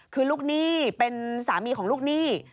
คือลูกหนี้เป็นสามีของลูกหนี้